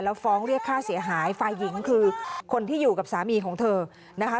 แล้วฟ้องเรียกค่าเสียหายฝ่ายหญิงคือคนที่อยู่กับสามีของเธอนะคะ